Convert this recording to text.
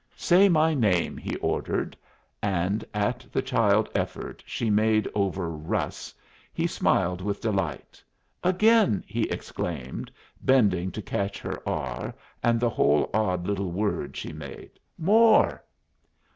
"Say my name!" he ordered; and at the child effort she made over "Russ" he smiled with delight. "Again!" he exclaimed, bending to catch her R and the whole odd little word she made. "More!"